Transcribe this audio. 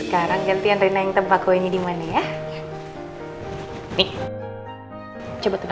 sekarang gantian rina yang tembak kuenya dimana ya nih coba tuh